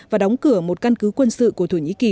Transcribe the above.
và đóng cửa một căn cứ quân sự của thổ nhĩ kỳ